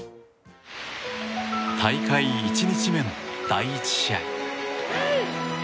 大会１日目の第１試合。